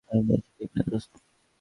আমি বলছি, ঠিক না, দোস্ত?